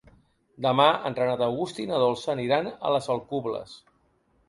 Demà en Renat August i na Dolça aniran a les Alcubles.